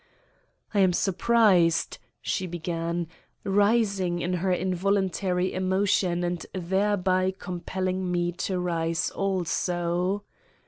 "I am surprised," she began, rising in her involuntary emotion and thereby compelling me to rise also.